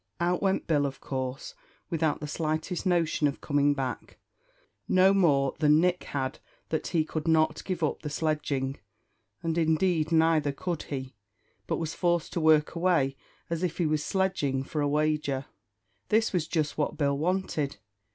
Out went Bill, of course, without the slightest notion of coming back; no more than Nick had that he could not give up the sledging, and indeed neither could he, but was forced to work away as if he was sledging for a wager. This was just what Bill wanted.